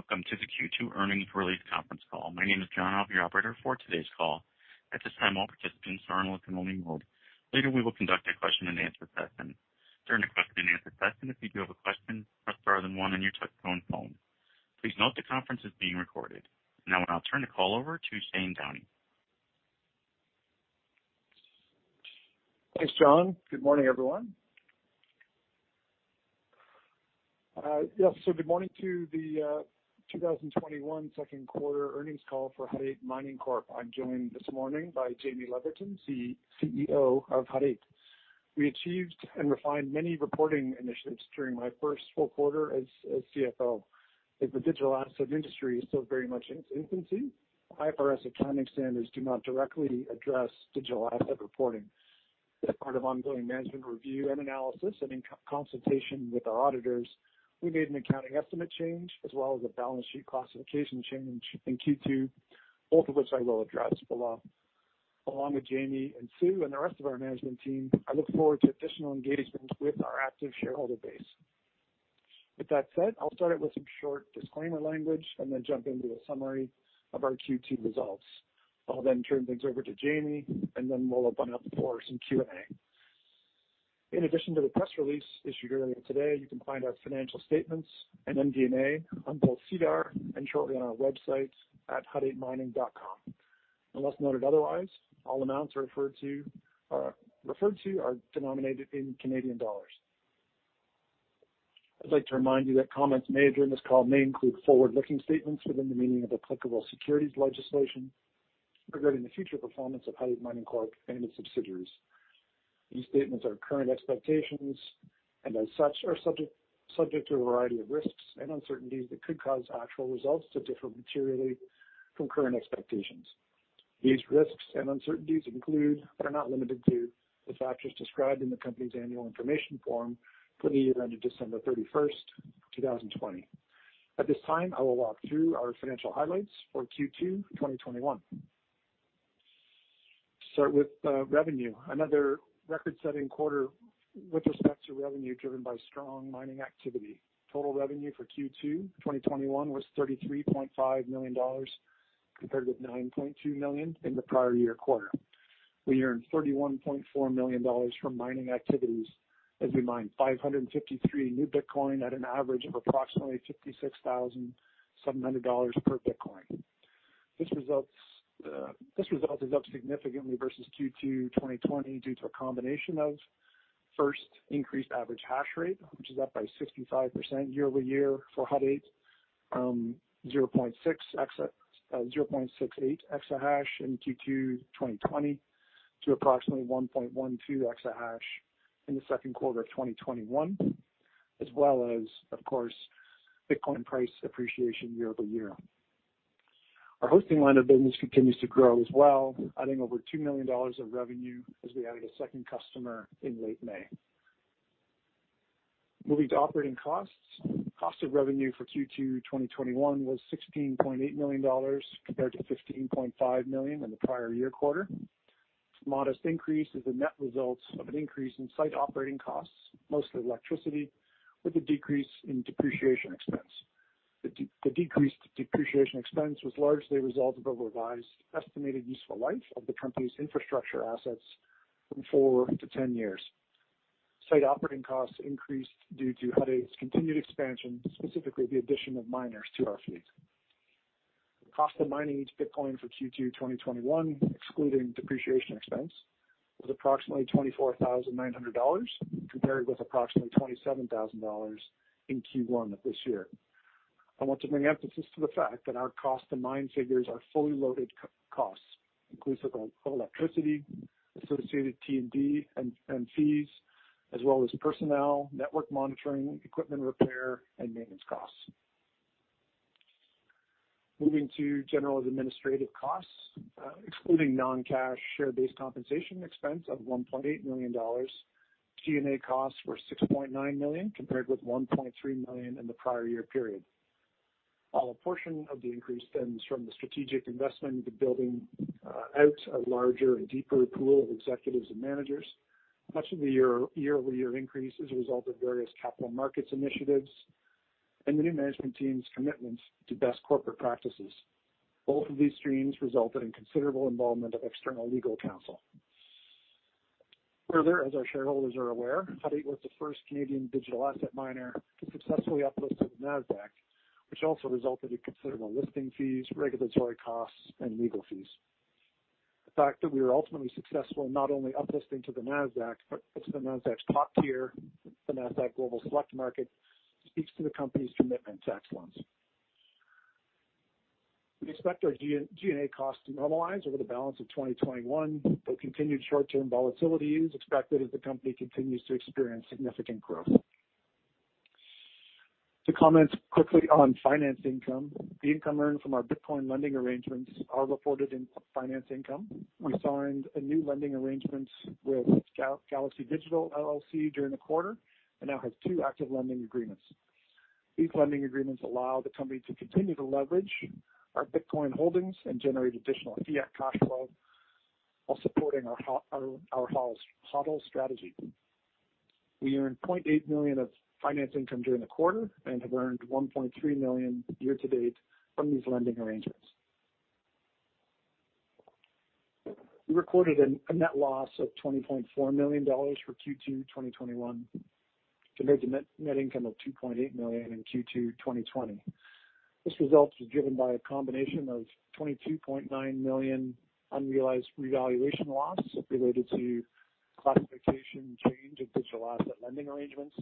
Welcome to the Q2 earnings release conference call. My name is John. I'll be your operator for today's call. At this time, all participants are in listen-only mode. Later, we will conduct a question and answer session. During the question and answer session, if you do have a question, press star then one on your touchtone phone. Please note the conference is being recorded. Now, I'll turn the call over to Shane Downey. Thanks, John. Good morning, everyone. Yes, good morning to the 2021 Second Quarter Earnings Call for Hut 8 Mining Corp. I'm joined this morning by Jaime Leverton, the CEO of Hut 8. We achieved and refined many reporting initiatives during my first full quarter as CFO. As the digital asset industry is still very much in its infancy, IFRS Accounting Standards do not directly address digital asset reporting. As part of ongoing management review and analysis, and in consultation with our auditors, we made an accounting estimate change as well as a balance sheet classification change in Q2, both of which I will address below. Along with Jaime and Sue and the rest of our management team, I look forward to additional engagement with our active shareholder base. With that said, I'll start out with some short disclaimer language and then jump into a summary of our Q2 results. I'll then turn things over to Jaime, and then we'll open up the floor for some Q&A. In addition to the press release issued earlier today, you can find our financial statements and MD&A on both SEDAR and shortly on our website at hut8mining.com. Unless noted otherwise, all amounts referred to are denominated in Canadian dollars. I'd like to remind you that comments made during this call may include forward-looking statements within the meaning of applicable securities legislation regarding the future performance of Hut 8 Mining Corp. and its subsidiaries. These statements are current expectations, and as such, are subject to a variety of risks and uncertainties that could cause actual results to differ materially from current expectations. These risks and uncertainties include, but are not limited to, the factors described in the company's annual information form for the year ended December 31st, 2020. At this time, I will walk through our financial highlights for Q2 2021. Start with revenue. Another record-setting quarter with respect to revenue driven by strong mining activity. Total revenue for Q2 2021 was 33.5 million dollars, compared with 9.2 million in the prior-year quarter. We earned 31.4 million dollars from mining activities as we mined 553 new Bitcoin at an average of approximately 56,700 dollars per Bitcoin. This result is up significantly versus Q2 2020 due to a combination of, first, increased average hash rate, which is up by 65% year-over-year for Hut 8 from 0.68 EH in Q2 2020 to approximately 1.12 EH in the second quarter of 2021, as well as, of course, Bitcoin price appreciation year-over-year. Our hosting line of business continues to grow as well, adding over 2 million dollars of revenue as we added a second customer in late May. Moving to operating costs. Cost of revenue for Q2 2021 was 16.8 million dollars compared to 15.5 million in the prior year quarter. Modest increase is the net results of an increase in site operating costs, mostly electricity, with a decrease in depreciation expense. The decreased depreciation expense was largely a result of a revised estimated useful life of the company's infrastructure assets from 4-10 years. Site operating costs increased due to Hut 8's continued expansion, specifically the addition of miners to our fleet. The cost of mining each Bitcoin for Q2 2021, excluding depreciation expense, was approximately 24,900 dollars, compared with approximately 27,000 dollars in Q1 of this year. I want to bring emphasis to the fact that our cost to mine figures are fully loaded costs, inclusive of electricity, associated T&D, and fees, as well as personnel, network monitoring, equipment repair, and maintenance costs. Moving to general administrative costs. Excluding non-cash share-based compensation expense of 1.8 million dollars, G&A costs were 6.9 million compared with 1.3 million in the prior year period. While a portion of the increase stems from the strategic investment into building out a larger and deeper pool of executives and managers, much of the year-over-year increase is a result of various capital markets initiatives and the new management team's commitments to best corporate practices. Both of these streams resulted in considerable involvement of external legal counsel. As our shareholders are aware, Hut 8 was the first Canadian digital asset miner to successfully uplist to the Nasdaq, which also resulted in considerable listing fees, regulatory costs, and legal fees. The fact that we were ultimately successful not only uplisting to the Nasdaq but to the Nasdaq top tier, the Nasdaq Global Select Market, speaks to the company's commitment to excellence. We expect our G&A cost to normalize over the balance of 2021, but continued short-term volatility is expected as the company continues to experience significant growth. To comment quickly on finance income, the income earned from our Bitcoin lending arrangements are reported in finance income. We signed a new lending arrangement with Galaxy Digital LLC during the quarter and now have two active lending agreements. These lending agreements allow the company to continue to leverage our Bitcoin holdings and generate additional fiat cash flow while supporting our HODL strategy. We earned 0.8 million of finance income during the quarter and have earned 1.3 million year to date from these lending arrangements. We recorded a net loss of 20.4 million dollars for Q2 2021 compared to net income of 2.8 million in Q2 2020. This result was driven by a combination of 22.9 million unrealized revaluation loss related to classification change of digital asset lending arrangements,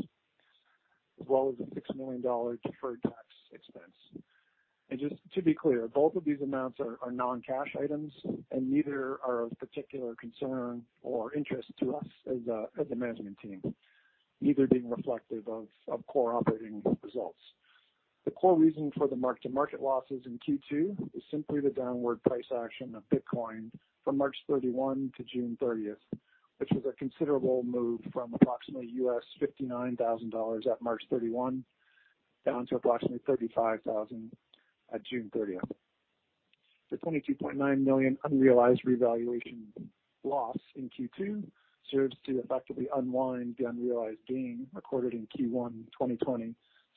as well as a 6 million dollar deferred tax expense. Just to be clear, both of these amounts are non-cash items, and neither are of particular concern or interest to us as the management team, neither being reflective of core operating results. The core reason for the mark-to-market losses in Q2 is simply the downward price action of Bitcoin from March 31 to June 30th, which was a considerable move from approximately $59,000 at March 31 down to approximately $35,000 at June 30th. The 22.9 million unrealized revaluation loss in Q2 serves to effectively unwind the unrealized gain recorded in Q1 2020,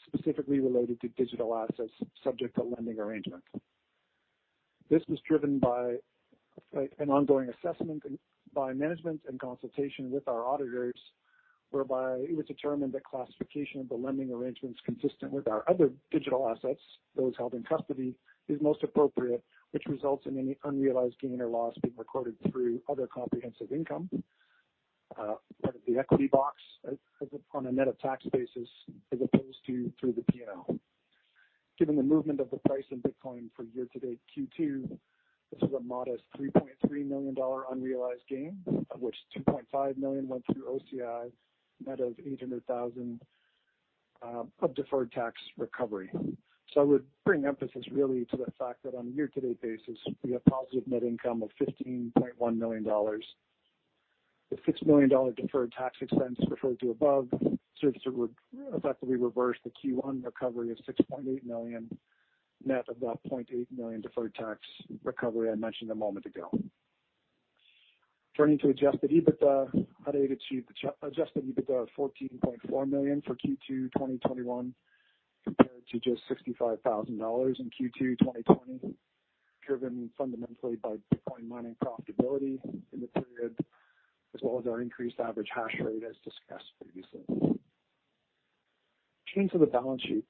specifically related to digital assets subject to lending arrangement. This was driven by an ongoing assessment by management and consultation with our auditors, whereby it was determined that classification of the lending arrangements consistent with our other digital assets, those held in custody, is most appropriate, which results in any unrealized gain or loss being recorded through other comprehensive income, part of the equity box on a net of tax basis, as opposed to through the P&L. Given the movement of the price in Bitcoin for year to date Q2, this is a modest 3.3 million unrealized gain, of which 2.5 million went through OCI, net of 800,000 of deferred tax recovery. I would bring emphasis really to the fact that on a year to date basis, we have positive net income of 15.1 million dollars. The 6 million dollar deferred tax expense referred to above serves to effectively reverse the Q1 recovery of 6.8 million, net of that 0.8 million deferred tax recovery I mentioned a moment ago. Turning to adjusted EBITDA, Hut 8 achieved adjusted EBITDA of 14.4 million for Q2 2021 compared to just 65,000 dollars in Q2 2020, driven fundamentally by Bitcoin mining profitability in the period, as well as our increased average hash rate as discussed previously. Turning to the balance sheet.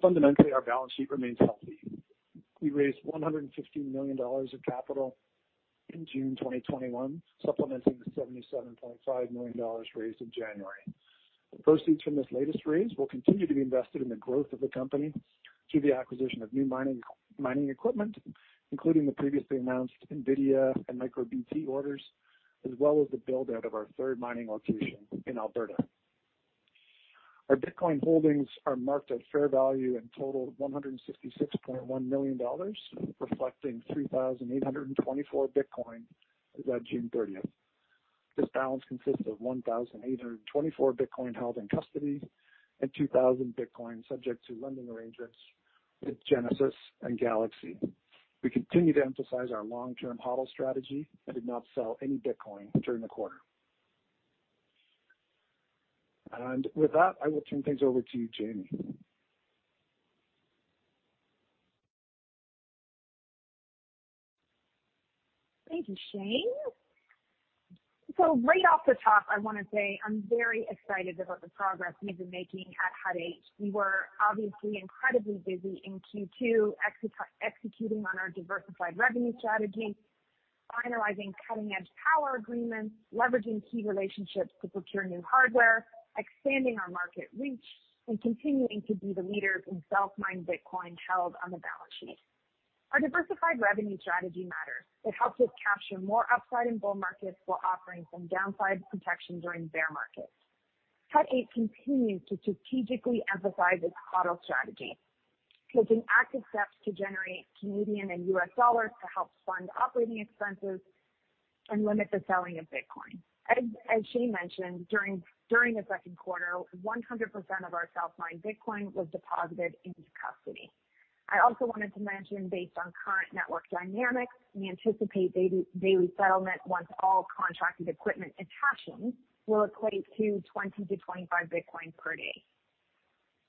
Fundamentally, our balance sheet remains healthy. We raised 115 million dollars of capital in June 2021, supplementing the 77.5 million dollars raised in January. The proceeds from this latest raise will continue to be invested in the growth of the company through the acquisition of new mining equipment, including the previously announced NVIDIA and MicroBT orders, as well as the build-out of our third mining location in Alberta. Our Bitcoin holdings are marked at fair value and total 166.1 million dollars, reflecting 3,824 Bitcoin as at June 30th. This balance consists of 1,824 Bitcoin held in custody and 2,000 Bitcoin subject to lending arrangements with Genesis and Galaxy. We continue to emphasize our long-term HODL strategy and did not sell any Bitcoin during the quarter. With that, I will turn things over to you, Jaime. Thank you, Shane. Right off the top, I want to say I'm very excited about the progress we've been making at Hut 8. We were obviously incredibly busy in Q2 executing on our diversified revenue strategy, finalizing cutting-edge power agreements, leveraging key relationships to procure new hardware, expanding our market reach, and continuing to be the leader in self-mined Bitcoin held on the balance sheet. Our diversified revenue strategy matters. It helps us capture more upside in bull markets while offering some downside protection during bear markets. Hut 8 continues to strategically emphasize its HODL strategy, taking active steps to generate Canadian and US dollars to help fund operating expenses and limit the selling of Bitcoin. As Shane mentioned, during the second quarter, 100% of our self-mined Bitcoin was deposited into custody. I also wanted to mention, based on current network dynamics, we anticipate daily settlement once all contracted equipment and hashing will equate to 20-25 Bitcoin per day.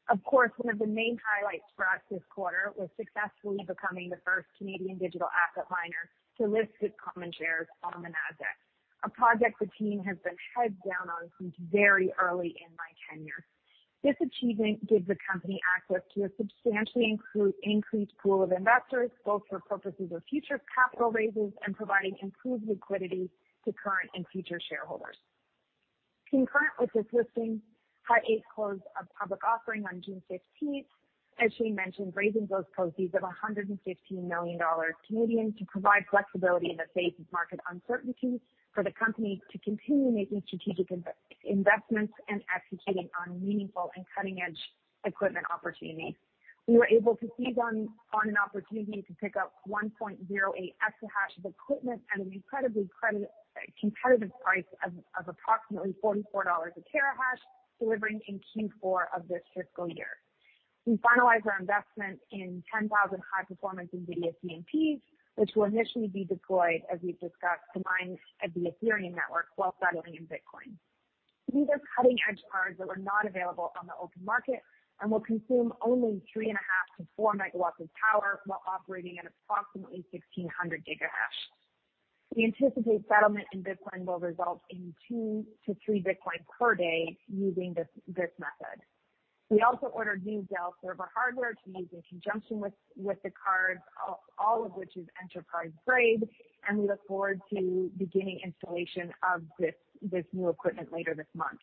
Of course, one of the main highlights for us this quarter was successfully becoming the first Canadian digital asset miner to list its common shares on the Nasdaq, a project the team has been head down on since very early in my tenure. This achievement gives the company access to a substantially increased pool of investors, both for purposes of future capital raises and providing improved liquidity to current and future shareholders. Concurrent with this listing, Hut 8 closed a public offering on June 15th, as Shane mentioned, raising those proceeds of 115 million Canadian dollars to provide flexibility in the face of market uncertainty for the company to continue making strategic investments and executing on meaningful and cutting-edge equipment opportunities. We were able to seize on an opportunity to pick up 1.08 EH of equipment at an incredibly competitive price of approximately 44 dollars a terahash, delivering in Q4 of this fiscal year. We finalized our investment in 10,000 high-performance NVIDIA GPUs, which will initially be deployed, as we've discussed, to mine at the Ethereum network, while settling in Bitcoin. These are cutting-edge cards that were not available on the open market and will consume only 3.5 MW-4 MW of power while operating at approximately 1,600 GH. We anticipate settlement in Bitcoin will result in two to three Bitcoin per day using this method. We also ordered new Dell server hardware to use in conjunction with the cards, all of which is enterprise grade. We look forward to beginning installation of this new equipment later this month.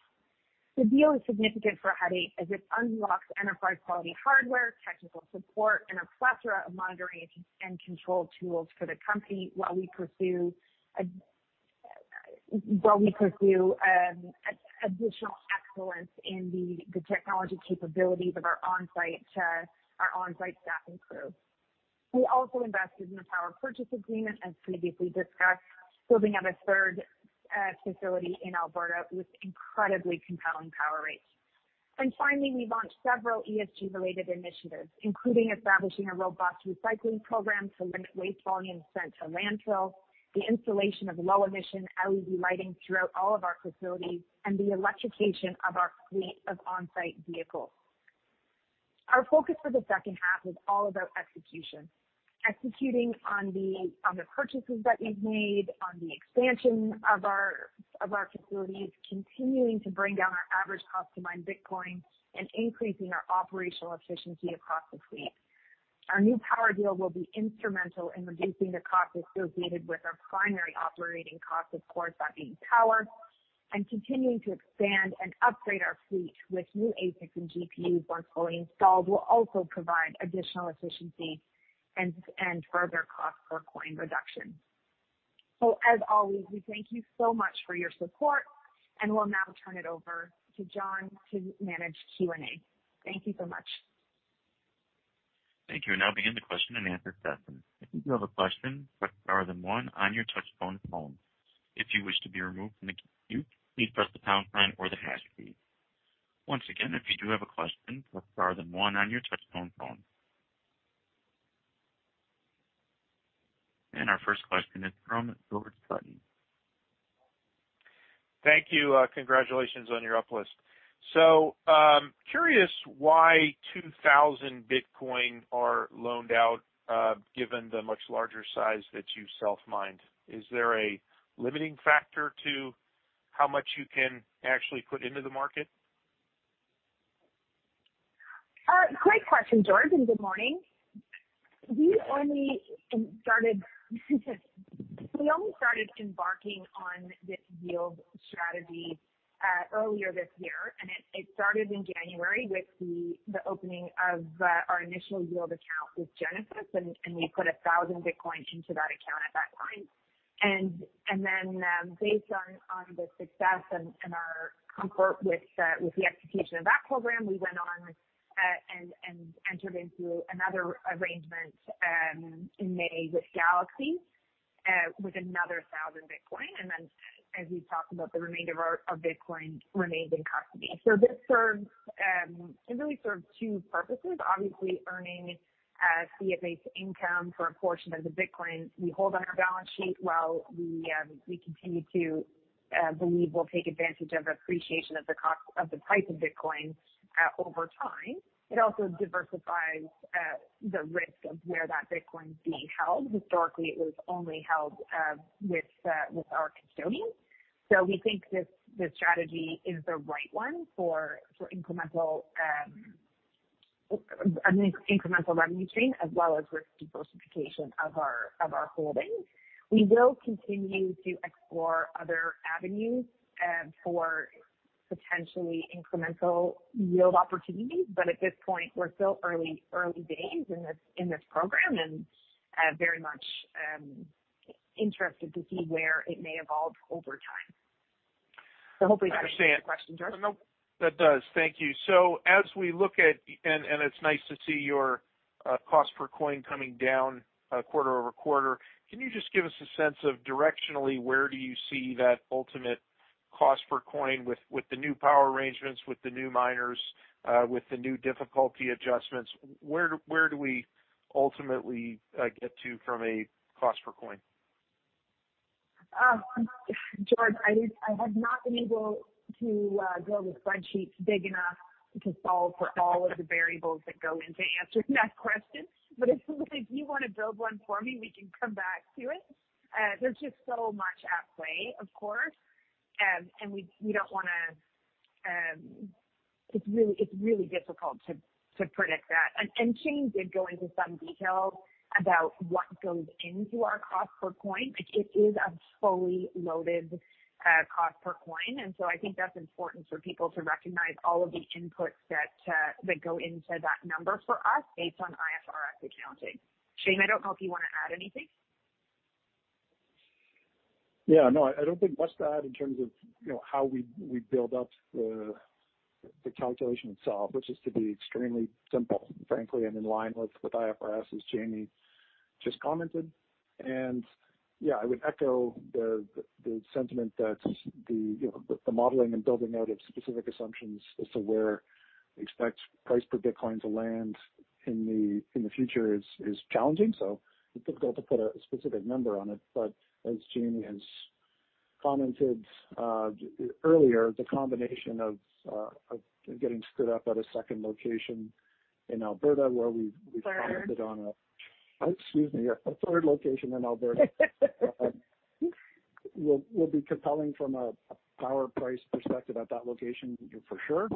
The deal is significant for Hut 8 as it unlocks enterprise-quality hardware, technical support, and a plethora of monitoring and control tools for the company while we pursue additional excellence in the technology capabilities of our on-site staff and crew. We also invested in a power purchase agreement, as previously discussed, building out a third facility in Alberta with incredibly compelling power rates. Finally, we launched several ESG-related initiatives, including establishing a robust recycling program to limit waste volume sent to landfill, the installation of low-emission LED lighting throughout all of our facilities, and the electrification of our fleet of on-site vehicles. Our focus for the second half is all about execution. Executing on the purchases that we've made, on the expansion of our facilities, continuing to bring down our average cost to mine Bitcoin, and increasing our operational efficiency across the fleet. Our new power deal will be instrumental in reducing the cost associated with our primary operating cost, of course, that being power, and continuing to expand and upgrade our fleet with new ASICs and GPUs once fully installed will also provide additional efficiency and further cost per coin reduction. As always, we thank you so much for your support, and we'll now turn it over to John to manage Q&A. Thank you so much. Thank you. We now begin the question and answer session. Our first question is from George Sutton. Thank you. Congratulations on your uplist. Curious why 2,000 Bitcoin are loaned out, given the much larger size that you self-mine. Is there a limiting factor to how much you can actually put into the market? Great question, George, and good morning. We only started embarking on this yield strategy earlier this year. It started in January with the opening of our initial yield account with Genesis. We put 1,000 Bitcoin into that account at that time. Based on the success and our comfort with the execution of that program, we went on and entered into another arrangement in May with Galaxy, with another 1,000 Bitcoin. As we've talked about, the remainder of our Bitcoin remains in custody. This really serves two purposes. Obviously, earning cash income for a portion of the Bitcoin we hold on our balance sheet while we continue to believe we'll take advantage of appreciation of the price of Bitcoin over time. It also diversifies the risk of where that Bitcoin is being held. Historically, it was only held with our custodian. We think this strategy is the right one for incremental revenue stream as well as risk diversification of our holdings. We will continue to explore other avenues for potentially incremental yield opportunities, but at this point, we're still early days in this program, and very much interested to see where it may evolve over time. Hopefully that answers your question, George. That does. Thank you. It's nice to see your cost per coin coming down quarter-over-quarter. Can you just give us a sense of directionally, where do you see that ultimate cost per coin with the new power arrangements, with the new miners, with the new difficulty adjustments? Where do we ultimately get to from a cost per coin? George, I have not been able to build a spreadsheet big enough to solve for all of the variables that go into answering that question. If you want to build one for me, we can come back to it. There's just so much at play, of course. It's really difficult to predict that. Shane did go into some detail about what goes into our cost per coin, which it is a fully loaded cost per coin. I think that's important for people to recognize all of the inputs that go into that number for us based on IFRS accounting. Shane, I don't know if you want to add anything. I don't think much to add in terms of how we build up the calculation itself, which is to be extremely simple, frankly, and in line with IFRS, as Jaime just commented. I would echo the sentiment that the modeling and building out of specific assumptions as to where we expect price per Bitcoin to land in the future is challenging. It's difficult to put a specific number on it. As Jaime has commented earlier, the combination of getting stood up at a second location in Alberta. Third. Excuse me. Yeah. A third location in Alberta will be compelling from a power price perspective at that location for sure,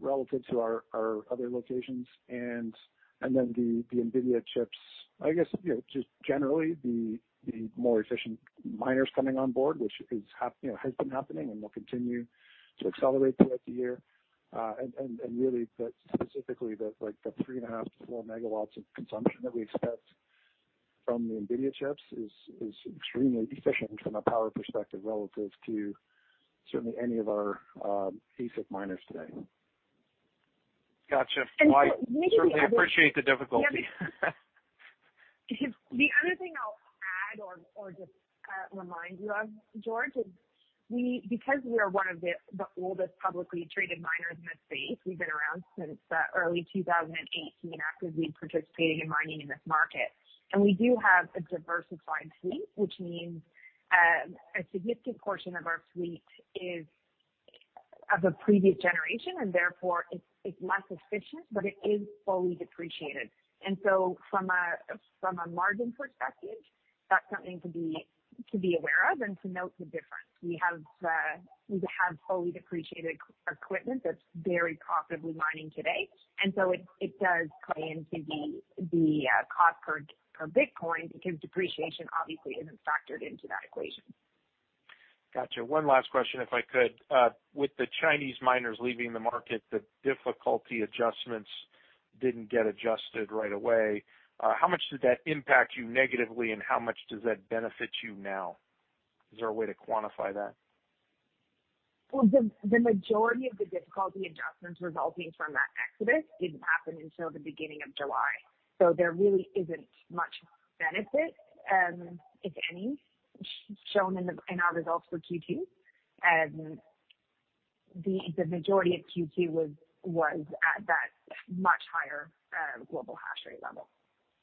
relative to our other locations. The NVIDIA chips, I guess, just generally the more efficient miners coming on board, which has been happening and will continue to accelerate throughout the year. Really specifically, the 3.5 MW-4 MW of consumption that we expect from the NVIDIA chips is extremely efficient from a power perspective relative to certainly any of our ASIC miners today. Got you. Certainly appreciate the difficulty. Well, The other thing I'll add or just remind you of, George, is because we are one of the oldest publicly traded miners in the space, we've been around since early 2018, actively participating in mining in this market. We do have a diversified fleet, which means a significant portion of our fleet is of the previous generation, and therefore it's less efficient, but it is fully depreciated. From a margin perspective, that's something to be aware of and to note the difference. We have fully depreciated equipment that's very profitably mining today, it does play into the cost per Bitcoin because depreciation obviously isn't factored into that equation. Got you. One last question, if I could. With the Chinese miners leaving the market, the difficulty adjustments didn't get adjusted right away. How much did that impact you negatively, and how much does that benefit you now? Is there a way to quantify that? Well, the majority of the difficulty adjustments resulting from that exodus didn't happen until the beginning of July, so there really isn't much benefit, if any, shown in our results for Q2. The majority of Q2 was at that much higher global hash rate level.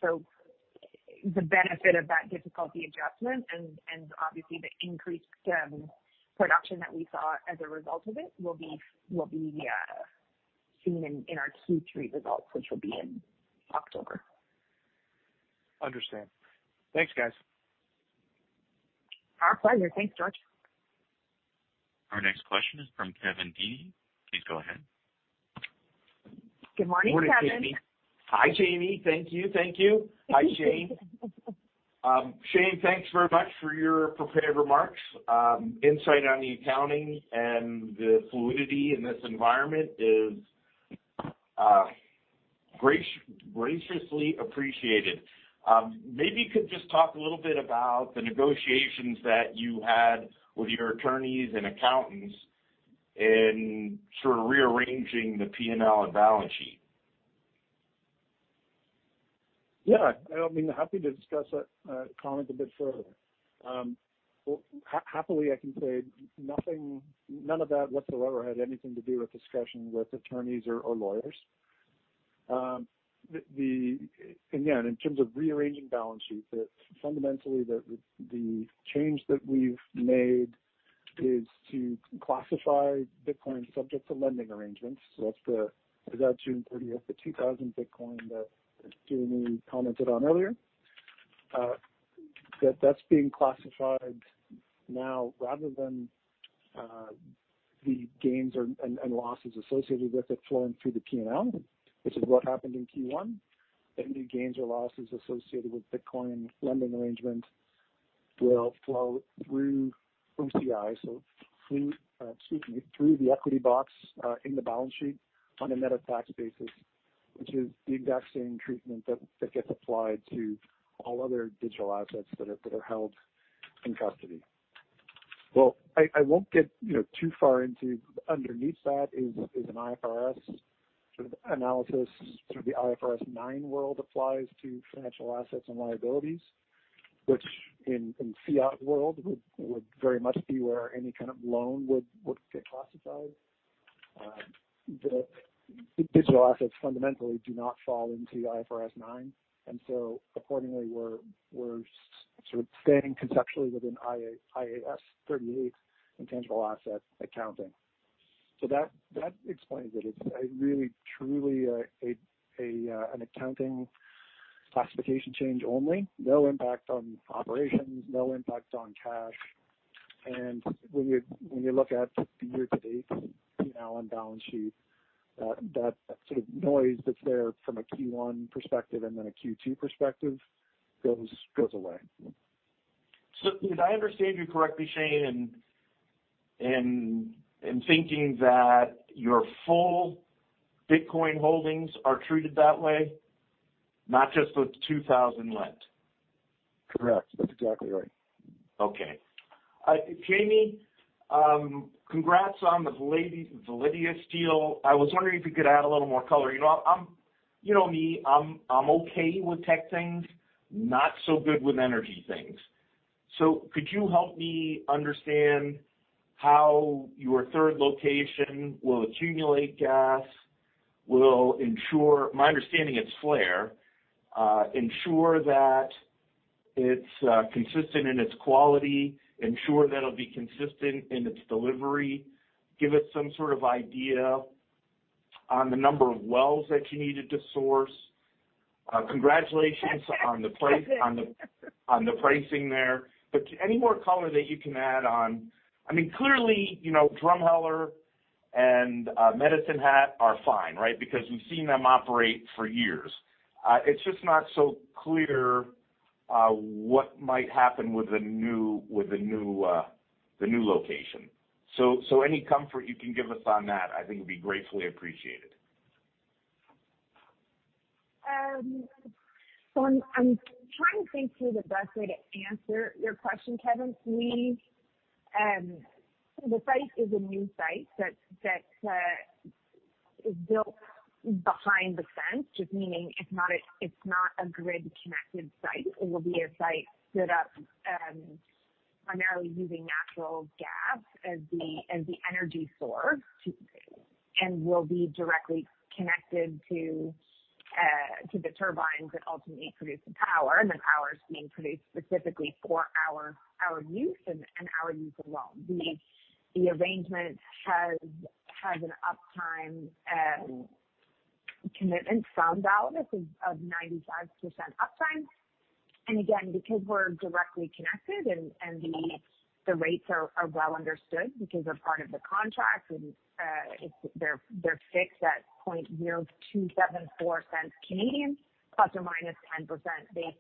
The benefit of that difficulty adjustment and obviously the increased production that we saw as a result of it will be seen in our Q3 results, which will be in October. Understand. Thanks, guys. Our pleasure. Thanks, George. Our next question is from Kevin Dede. Please go ahead. Good morning, Kevin. Morning, Kevin. Hi, Jaime. Thank you. Hi, Shane. Shane, thanks very much for your prepared remarks. Insight on the accounting and the fluidity in this environment is graciously appreciated. Maybe you could just talk a little bit about the negotiations that you had with your attorneys and accountants in sort of rearranging the P&L and balance sheet. Yeah, I mean, happy to discuss that comment a bit further. Happily, I can say none of that whatsoever had anything to do with discussions with attorneys or lawyers. Again, in terms of rearranging balance sheets, fundamentally, the change that we've made is to classify Bitcoin subject to lending arrangements. That's the, as at June 30th, the 2,000 Bitcoin that Jaime commented on earlier, that's being classified now rather than the gains and losses associated with it flowing through the P&L, which is what happened in Q1. Any gains or losses associated with Bitcoin lending arrangements will flow through OCI, through, excuse me, through the equity box in the balance sheet on a net of tax basis, which is the exact same treatment that gets applied to all other digital assets that are held in custody. Well, I won't get too far into underneath that is an IFRS sort of analysis, sort of the IFRS 9 world applies to financial assets and liabilities, which in fiat world would very much be where any kind of loan would get classified. Accordingly, we're sort of staying conceptually within IAS 38 intangible asset accounting. That explains it. It's really truly an accounting classification change only. No impact on operations, no impact on cash. When you look at the year to date P&L and balance sheet, that sort of noise that's there from a Q1 perspective and then a Q2 perspective goes away. Did I understand you correctly, Shane, in thinking that your full Bitcoin holdings are treated that way, not just the 2,000 lent? Correct. That's exactly right. Okay. Jaime, congrats on the Validus deal. I was wondering if you could add a little more color. You know me, I'm okay with tech things, not so good with energy things. Could you help me understand how your third location will accumulate gas? My understanding, it's flare. Ensure that it's consistent in its quality, ensure that it'll be consistent in its delivery, give us some sort of idea on the number of wells that you needed to source. Congratulations on the pricing there. Any more color that you can add, clearly, Drumheller and Medicine Hat are fine, right? Because we've seen them operate for years. It's just not so clear what might happen with the new location. Any comfort you can give us on that, I think would be gratefully appreciated. I'm trying to think through the best way to answer your question, Kevin. The site is a new site that is built behind the fence, just meaning it's not a grid-connected site. It will be a site stood up primarily using natural gas as the energy source and will be directly connected to the turbines that ultimately produce the power. The power is being produced specifically for our use and our use alone. The arrangement has an uptime commitment from Validus of 95% uptime. Again, because we're directly connected and the rates are well understood because they're part of the contract, and they're fixed at 0.000274, ±10% based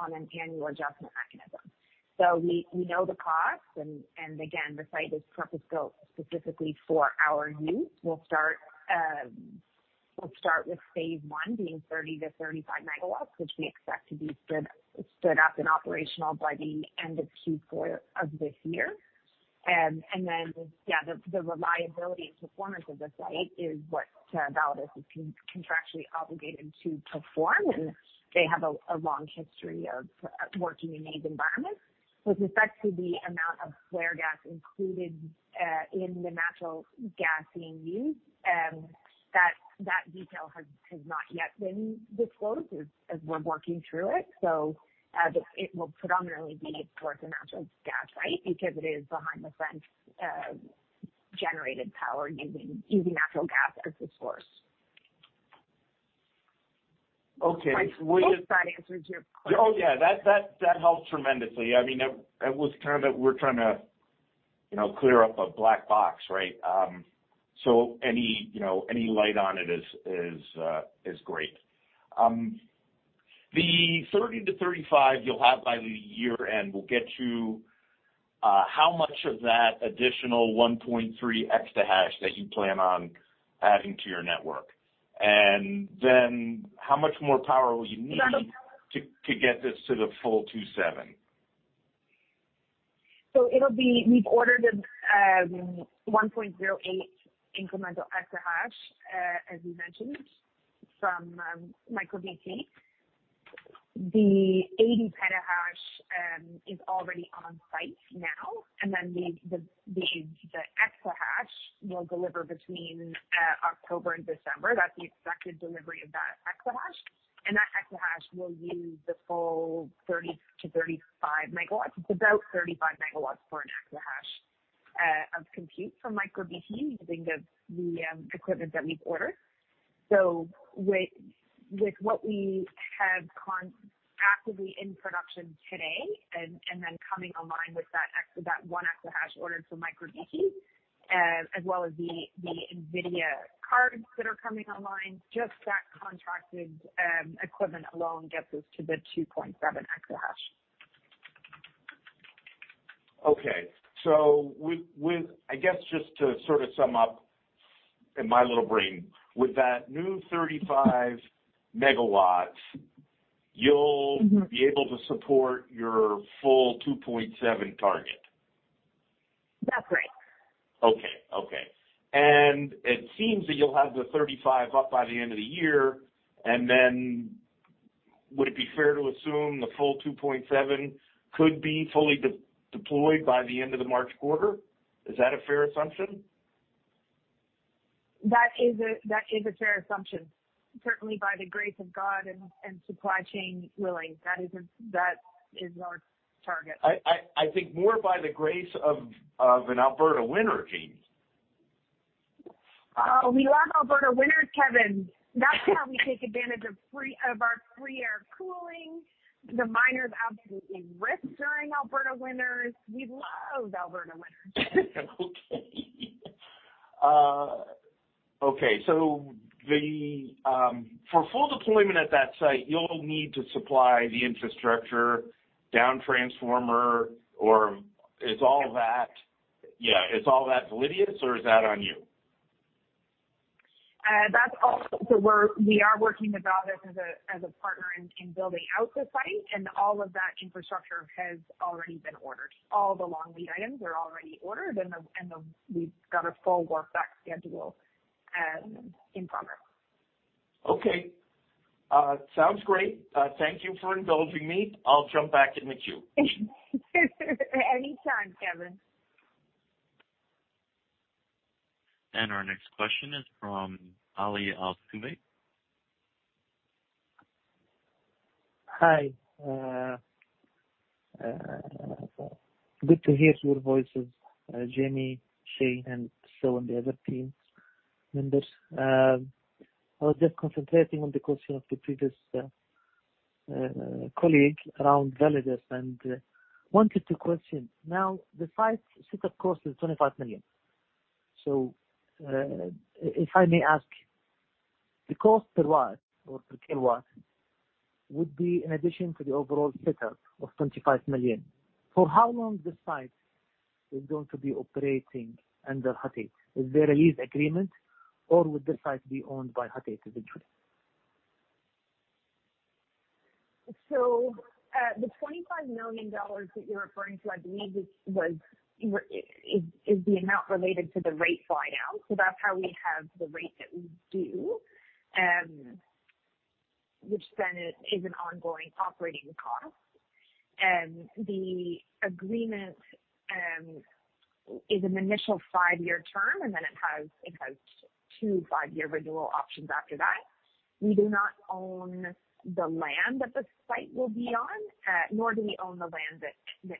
on an annual adjustment mechanism. We know the costs and, again, the site is purpose-built specifically for our use. We'll start with phase I being 30 MW-35 MW, which we expect to be stood up and operational by the end of Q4 of this year. Yeah, the reliability and performance of the site is what Validus is contractually obligated to perform, and they have a long history of working in these environments. With respect to the amount of flare gas included in the natural gas being used, that detail has not yet been disclosed as we're working through it. It will predominantly be towards the natural gas play because it is behind the fence, generated power using natural gas as the source. Okay. I hope that answers your question. Oh, yeah. That helps tremendously. We're trying to clear up a black box, right? Any light on it is great. The 30 MW-35 MW you'll have by the year-end will get you how much of that additional 1.3 exahash that you plan on adding to your network? How much more power will you need to get this to the full 2.7? We've ordered a 1.08 incremental exahash, as you mentioned, from MicroBT. The 80 petahash is already on site now, and then the exahash we'll deliver between October and December. That's the expected delivery of that exahash. That exahash will use the full 30 MW-35 MW. It's about 35 MW for an exahash of compute from MicroBT using the equipment that we've ordered. With what we have actively in production today, and then coming online with that 1 EH ordered from MicroBT, as well as the NVIDIA cards that are coming online, just that contracted equipment alone gets us to the 2.7 EH. Okay. I guess just to sort of sum up in my little brain, with that new 35 MW, you'll be able to support your full 2.7 GW target. That's right. Okay. It seems that you'll have the 35 MW up by the end of the year, and then would it be fair to assume the full 2.7 GW could be fully deployed by the end of the March quarter? Is that a fair assumption? That is a fair assumption. Certainly, by the grace of God and supply chain willing, that is our target. I think more by the grace of an Alberta winter, Jaime. We love Alberta winters, Kevin. That's how we take advantage of our free air cooling. The miners absolutely rip during Alberta winters. We love Alberta winters. Okay. For full deployment at that site, you'll need to supply the infrastructure, down transformer, or is all that Validus or is that on you? We are working with Validus as a partner in building out the site, and all of that infrastructure has already been ordered. All the long lead items are already ordered, and we've got a full work back schedule in progress. Okay. Sounds great. Thank you for indulging me. I will jump back in the queue. Anytime, Kevin. Our next question is from [Ali Al-Kubai]. Hi. Good to hear your voices, Jaime, Shane, and so on the other team members. I was just concentrating on the question of the previous colleague around Validus and wanted to question. Now, the site setup cost is 25 million. If I may ask, the cost per watt or per kilowatt would be in addition to the overall setup of 25 million. For how long this site is going to be operating under Hut 8? Is there a lease agreement, or would the site be owned by Hut 8 eventually? The 25 million dollars that you are referring to, I believe, is the amount related to the rate buy now. That is how we have the rate that we do, which then is an ongoing operating cost. The agreement is an initial five year term. It has two to five year renewal options after that. We do not own the land that the site will be on, nor do we own the land that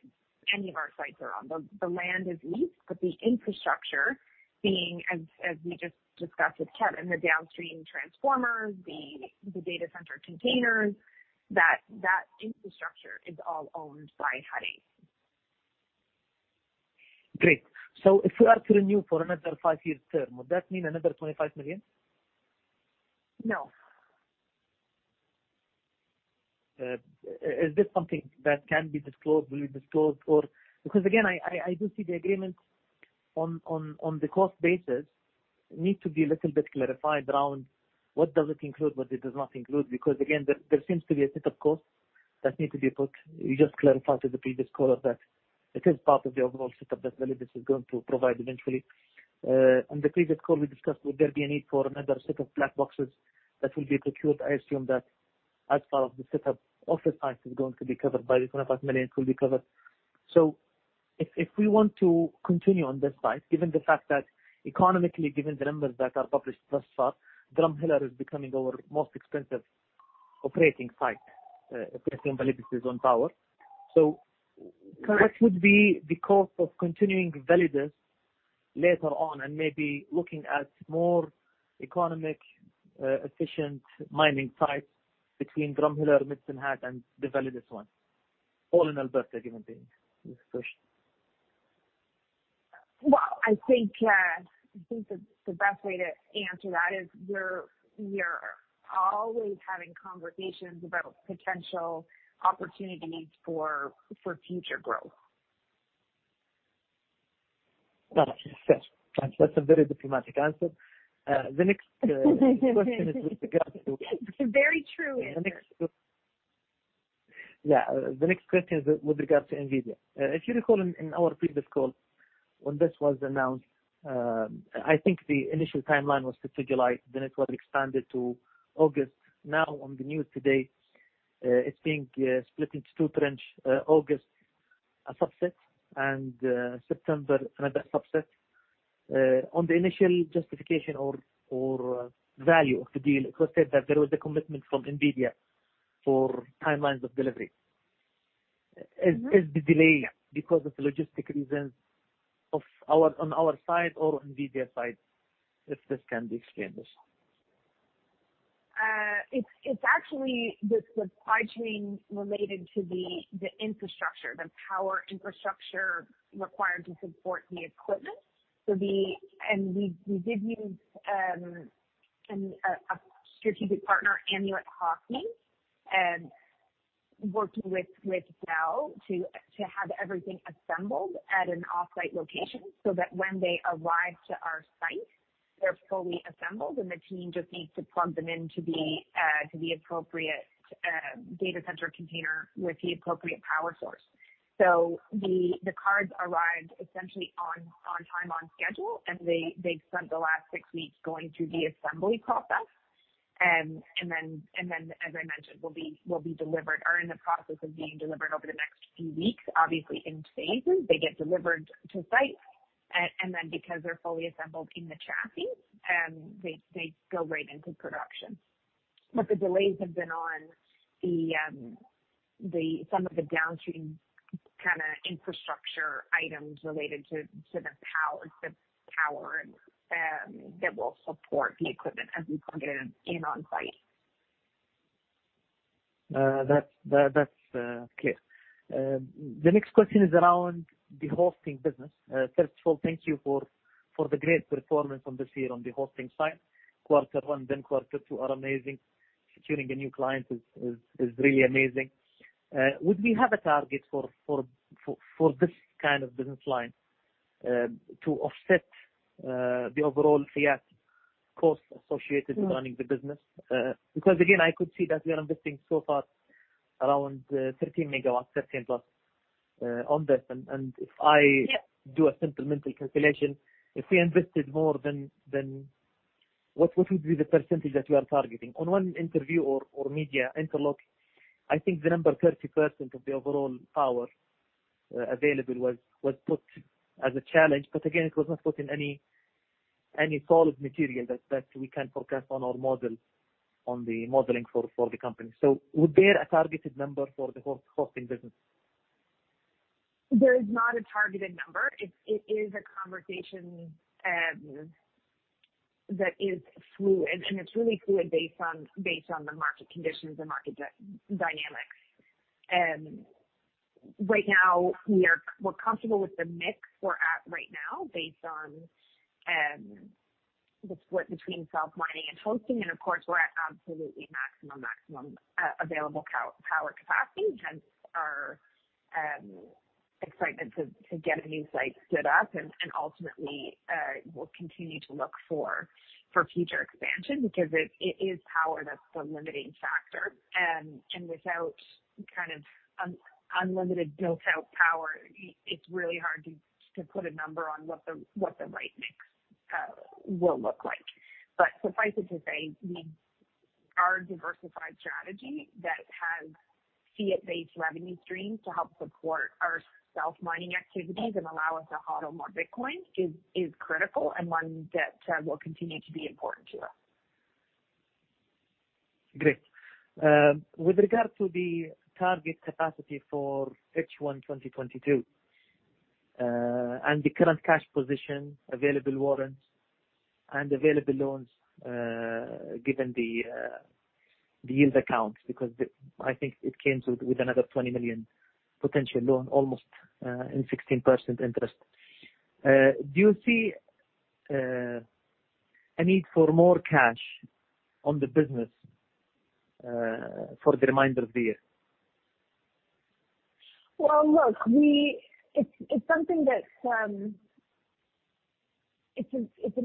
any of our sites are on. The land is leased, but the infrastructure, being as we just discussed with Kevin, the downstream transformers, the data center containers, that infrastructure is all owned by Hut 8. Great. If we are to renew for another five years term, would that mean another 25 million? No. Is this something that can be disclosed, will be disclosed? Again, I do see the agreement on the cost basis need to be a little bit clarified around what does it include, what it does not include. Again, there seems to be a set of costs that need to be put. You just clarified to the previous caller that it is part of the overall setup that Validus is going to provide eventually. On the previous call, we discussed would there be a need for another set of black boxes that will be procured. I assume that as part of the setup of the site is going to be covered by the 25 million, it will be covered. If we want to continue on this site, given the fact that economically given the numbers that are published thus far, Drumheller is becoming our most expensive operating site, if we assume Validus is on power. What would be the cost of continuing Validus later on and maybe looking at more economic efficient mining sites between Drumheller, Medicine Hat, and the Validus one, all in Alberta, given the discussion. Well, I think that the best way to answer that is we're always having conversations about potential opportunities for future growth. Got it. That's a very diplomatic answer. The next question is with regards to Very true. The next question is with regards to NVIDIA. If you recall in our previous call when this was announced, I think the initial timeline was for July, then it was expanded to August. Now on the news today, it's being split into two tranche, August subset and September another subset. On the initial justification or value of the deal, it was said that there was a commitment from NVIDIA for timelines of delivery. Is the delay because of logistic reasons on our side or on NVIDIA side? If this can be explained. It's actually the supply chain related to the infrastructure, the power infrastructure required to support the equipment. We did use a strategic partner, Amulet Hotkey, working with Dell to have everything assembled at an off-site location so that when they arrive to our site, they're fully assembled and the team just needs to plug them into the appropriate data center container with the appropriate power source. The cards arrived essentially on time, on schedule, and they spent the last six weeks going through the assembly process. Then, as I mentioned, will be delivered or in the process of being delivered over the next few weeks, obviously in phases. They get delivered to site, and then because they're fully assembled in the chassis, they go right into production. The delays have been on some of the downstream kind of infrastructure items related to the power that will support the equipment as we plug it in on-site. That's clear. The next question is around the hosting business. First of all, thank you for the great performance on this year on the hosting side. Quarter one, then quarter two are amazing. Securing a new client is really amazing. Would we have a target for this kind of business line to offset the overall fiat cost associated with running the business? Again, I could see that we are investing so far around 13 MW, 13 MW+ on this. Yeah. If I do a simple mental calculation, if we invested more, then what would be the percentage that we are targeting? On one interview or media interlock, I think the number 30% of the overall power available was put as a challenge, but again, it was not put in any solid material that we can forecast on our model, on the modeling for the company. Would there a targeted number for the hosting business? There is not a targeted number. It is a conversation that is fluid, and it's really fluid based on the market conditions and market dynamics. Right now, we're comfortable with the mix we're at right now, based on the split between self-mining and hosting, and of course, we're at absolutely maximum available power capacity, hence our excitement to get a new site stood up, and ultimately, we'll continue to look for future expansion because it is power that's the limiting factor. Without kind of unlimited built-out power, it's really hard to put a number on what the right mix will look like. Suffice it to say, our diversified strategy that has fiat-based revenue streams to help support our self-mining activities and allow us to HODL more Bitcoin is critical and one that will continue to be important to us. Great. With regard to the target capacity for H1 2022, and the current cash position, available warrants, and available loans, given the yield accounts, because I think it came with another 20 million potential loan almost, in 16% interest. Do you see a need for more cash on the business for the remainder of the year? Well, look, it's an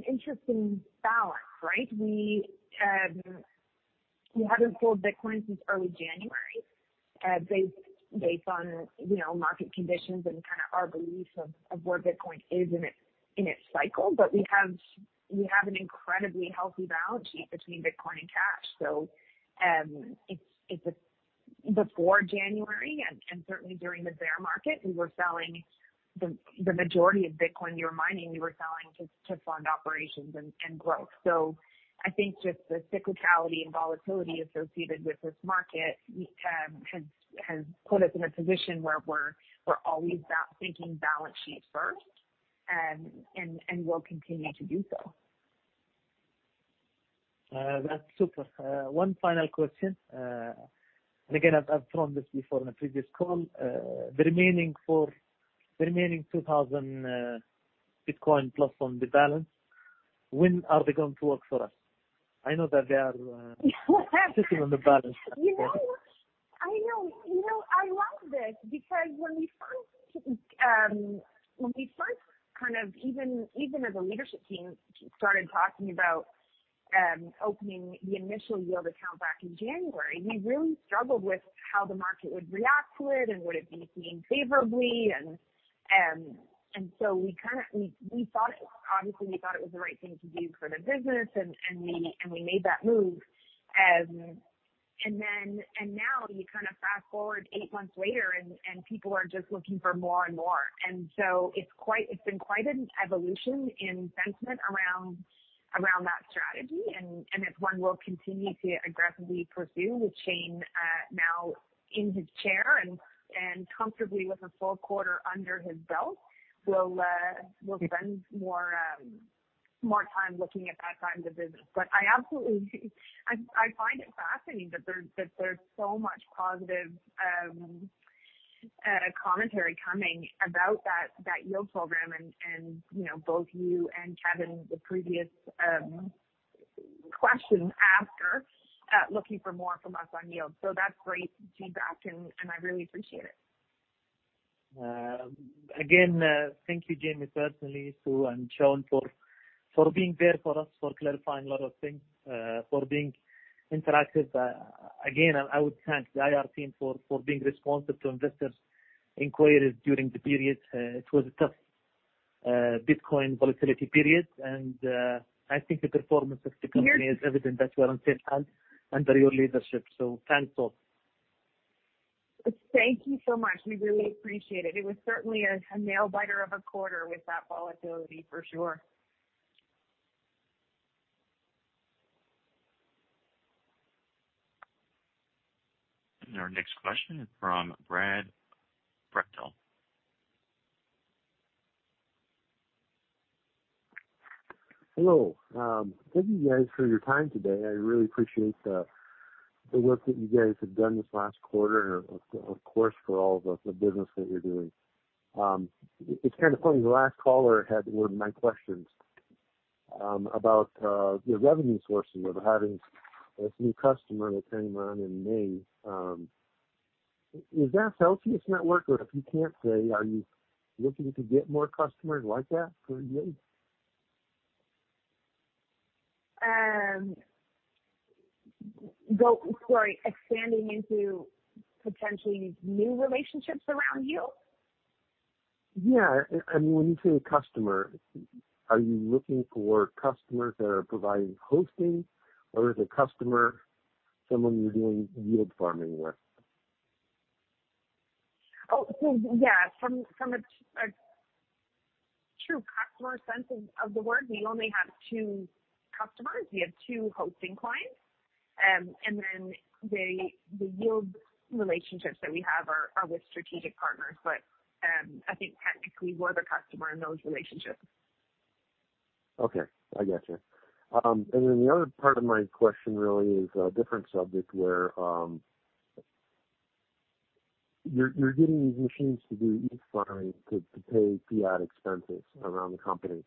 interesting balance, right? We haven't sold Bitcoin since early January based on market conditions and kind of our belief of where Bitcoin is in its cycle. We have an incredibly healthy balance sheet between Bitcoin and cash. Before January, and certainly during the bear market, we were selling the majority of Bitcoin we were mining, we were selling to fund operations and growth. I think just the cyclicality and volatility associated with this market has put us in a position where we're always thinking balance sheet first, and we'll continue to do so. That's super. One final question, and again, I've thrown this before in a previous call. The remaining 2,000+ Bitcoin on the balance, when are they going to work for us? I know that sitting on the balance. You know what? I know. I love this because when we first kind of even as a leadership team started talking about opening the initial yield account back in January, we really struggled with how the market would react to it and would it be seen favorably. Obviously, we thought it was the right thing to do for the business, and we made that move. Now you kind of fast-forward eight months later, and people are just looking for more and more. It's been quite an evolution in sentiment around that strategy, and it's one we'll continue to aggressively pursue with Shane now in his chair and comfortably with a full quarter under his belt. We'll spend more time looking at that side of the business. I absolutely find it fascinating that there's so much positive commentary coming about that yield program and both you and Kevin, the previous question asker, looking for more from us on yield. That's great feedback, and I really appreciate it. Again, thank you, Jaime, personally, you, and Shane for being there for us, for clarifying a lot of things, for being interactive. Again, I would thank the IR team for being responsive to investors' inquiries during the period. It was a tough Bitcoin volatility period, and I think the performance of the company. It is evident that we're on safe hands under your leadership. Thanks all. Thank you so much. We really appreciate it. It was certainly a nail-biter of a quarter with that volatility for sure. Our next question is from [Brad Brechtel]. Hello. Thank you guys for your time today. I really appreciate the work that you guys have done this last quarter and of course, for all of the business that you're doing. It's kind of funny, the last caller had one of my questions about your revenue sources, you're having this new customer that came on in May. Is that Celsius Network, or if you can't say, are you looking to get more customers like that for you? Sorry, expanding into potentially new relationships around you? When you say a customer, are you looking for customers that are providing hosting, or is a customer someone you're doing yield farming with? Yeah, from a true customer sense of the word, we only have two customers. We have two hosting clients. The yield relationships that we have are with strategic partners. I think technically we're the customer in those relationships. Okay. I got you. The other part of my question really is a different subject where you're getting these machines to do ETH farming to pay fiat expenses around the company.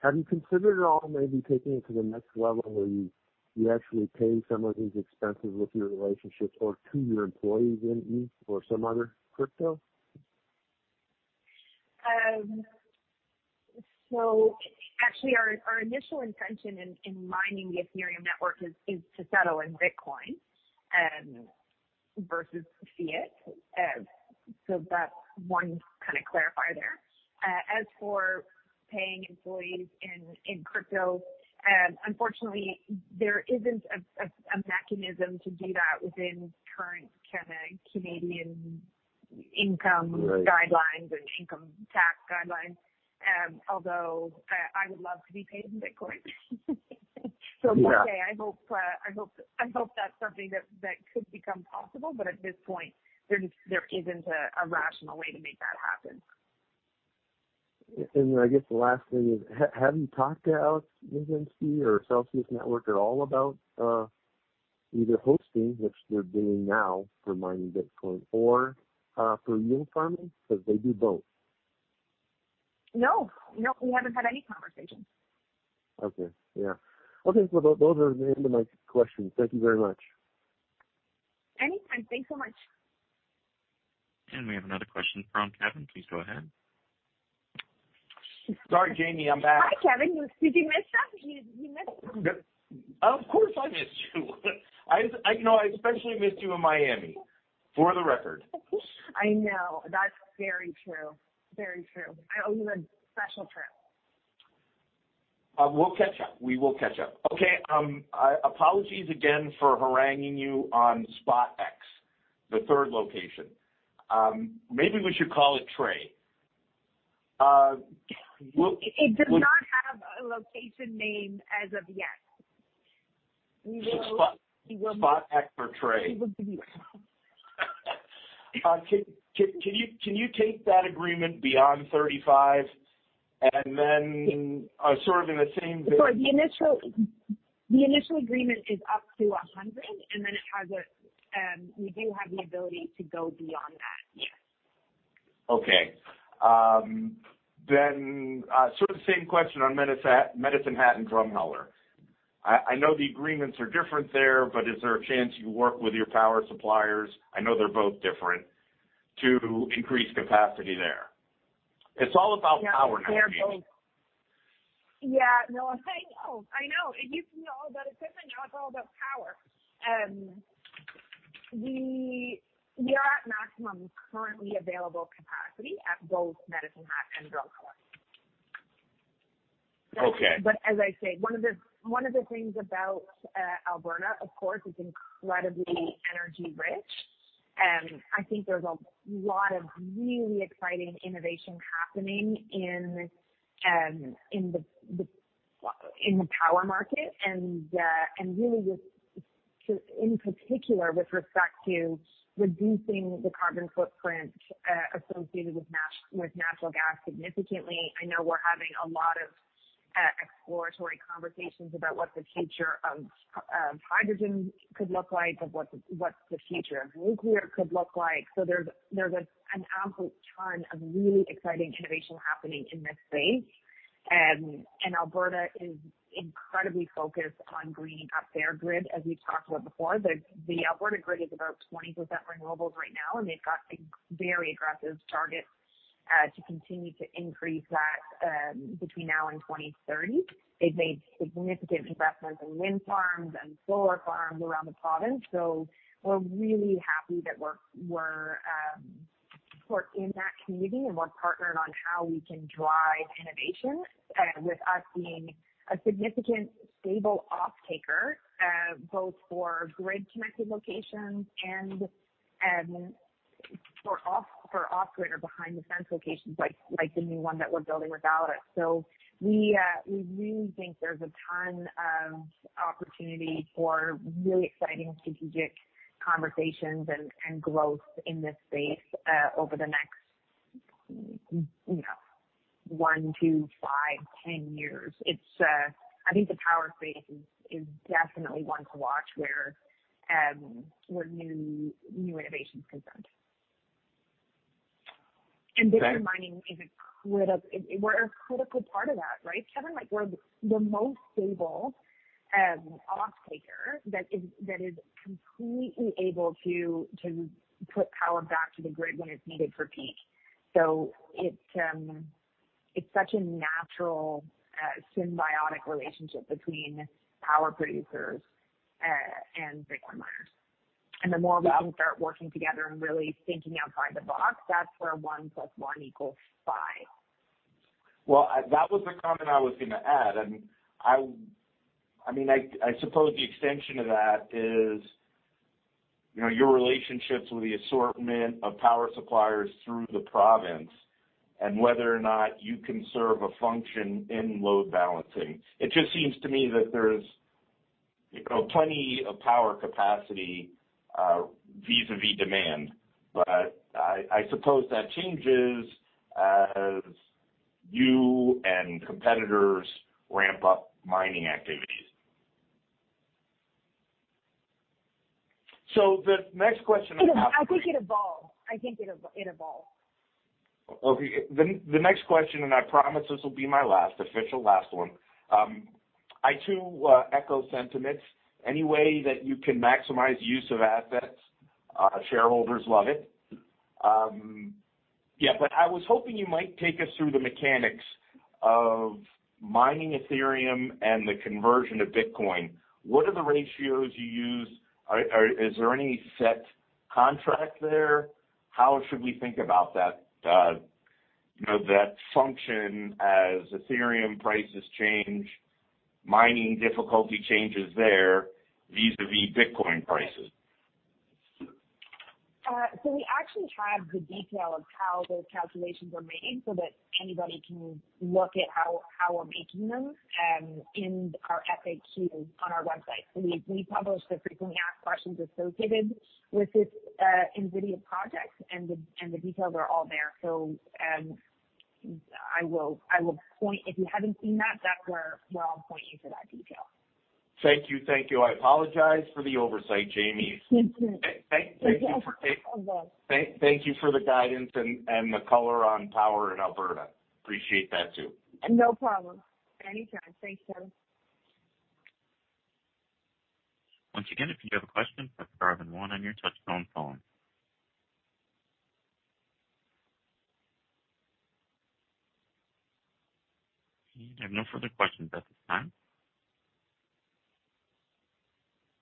Have you considered at all maybe taking it to the next level where you actually pay some of these expenses with your relationships or to your employees in ETH or some other crypto? Actually, our initial intention in mining the Ethereum network is to settle in Bitcoin versus fiat. That's one kind of clarify there. As for paying employees in crypto, unfortunately, there isn't a mechanism to do that within current Canadian income guidelines and income tax guidelines. I would love to be paid in Bitcoin. Yeah. One day, I hope that's something that could become possible, but at this point, there isn't a rational way to make that happen. I guess the last thing is, have you talked to Alex Mashinsky or Celsius Network at all about either hosting, which they are doing now for mining Bitcoin, or for yield farming? Because they do both. No. We haven't had any conversations. Okay. Yeah. Okay, those are the end of my questions. Thank you very much. Any time. Thanks so much. We have another question from Kevin. Please go ahead. Sorry, Jaime, I'm back. Hi, Kevin. Did you miss us? You missed me. Of course, I missed you. I especially missed you in Miami, for the record. I know. That's very true. I owe you a special trip. We'll catch up. Okay, apologies again for haranguing you on Spot X, the third location. Maybe we should call it Trey. It does not have a location name as of yet. Spot X or Trey. We will give you. Can you take that agreement beyond 35 MW, and then sort of in the same vein. Sorry, the initial agreement is up to 100 MW, and we do have the ability to go beyond that, yes. Okay. Sort of same question on Medicine Hat and Drumheller, I know the agreements are different there, but is there a chance you work with your power suppliers, I know they're both different, to increase capacity there? It's all about power now, Jaime. Yeah, no, I know. You can know all about equipment, now it's all about power. We are at maximum currently available capacity at both Medicine Hat and Drumheller. Okay. As I say, one of the things about Alberta, of course, it's incredibly energy rich. I think there's a lot of really exciting innovation happening in the power market and really just in particular with respect to reducing the carbon footprint associated with natural gas significantly. I know we're having a lot of exploratory conversations about what the future of hydrogen could look like, of what the future of nuclear could look like. There's an absolute ton of really exciting innovation happening in this space. Alberta is incredibly focused on greening up their grid, as we've talked about before. The Alberta grid is about 20% renewables right now, and they've got a very aggressive target to continue to increase that between now and 2030. They've made significant investments in wind farms and solar farms around the province. We're really happy that we're in that community, and we're partnered on how we can drive innovation, with us being a significant stable offtaker, both for grid-connected locations and for off-grid or behind-the-fence locations like the new one that we're building with [Kubai]. We really think there's a ton of opportunity for really exciting strategic conversations and growth in this space over the next one, two, five, 10 years. I think the power space is definitely one to watch where new innovation is concerned. Bitcoin mining is a critical part of that, right, Kevin? We're the most stable off-taker that is completely able to put power back to the grid when it's needed for peak. It's such a natural, symbiotic relationship between power producers and Bitcoin miners. The more we can start working together and really thinking outside the box, that's where one plus one equals five. Well, that was the comment I was going to add. I suppose the extension of that is your relationships with the assortment of power suppliers through the province and whether or not you can serve a function in load balancing. It just seems to me that there's plenty of power capacity vis-a-vis demand. I suppose that changes as you and competitors ramp up mining activities. The next question. I think it evolves. The next question, and I promise this will be my last, official last one. I too echo sentiments. Any way that you can maximize use of assets, shareholders love it. I was hoping you might take us through the mechanics of mining Ethereum and the conversion to Bitcoin. What are the ratios you use? Is there any set contract there? How should we think about that function as Ethereum prices change, mining difficulty changes there vis-a-vis Bitcoin prices? We actually have the detail of how those calculations are made so that anybody can look at how we're making them in our FAQ on our website. We publish the frequently asked questions associated with this NVIDIA project, and the details are all there. If you haven't seen that's where I'll point you for that detail. Thank you. I apologize for the oversight, Jaime. It's okay. Thank you for the guidance and the color on power in Alberta. Appreciate that too. No problem. Anytime. Thanks, Kevin. I have no further questions at this time.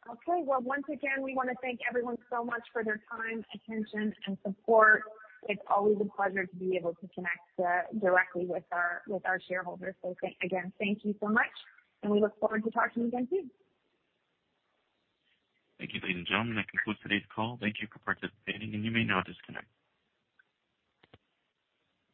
Okay. Well, once again, we want to thank everyone so much for their time, attention, and support. It's always a pleasure to be able to connect directly with our shareholders. Again, thank you so much, and we look forward to talking again soon. Thank you, ladies and gentlemen, that concludes today's call. Thank you for participating, and you may now disconnect.